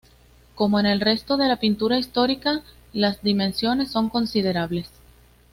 Como en el resto de la pintura histórica, las dimensiones son considerables.